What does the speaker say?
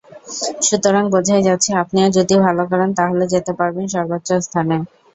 সুতরাং বোঝাই যাচ্ছে, আপনিও যদি ভালো করেন, তাহলে যেতে পারবেন সর্বোচ্চ স্থানে।